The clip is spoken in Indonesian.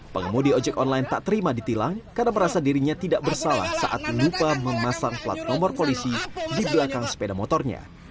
pengemudi ojek online tak terima ditilang karena merasa dirinya tidak bersalah saat lupa memasang plat nomor polisi di belakang sepeda motornya